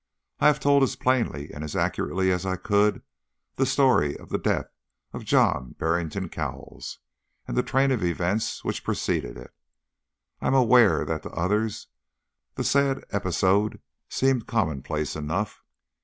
I have told as plainly and as accurately as I could the story of the death of John Barrington Cowles, and the train of events which preceded it. I am aware that to others the sad episode seemed commonplace enough.